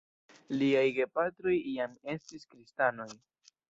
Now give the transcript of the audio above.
Liaj gepatroj jam estis kristanoj.